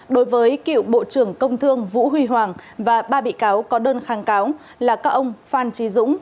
đối với cựu bộ trưởng công thương vũ huy hoàng và ba bị cáo có đơn kháng cáo là các ông phan trí dũng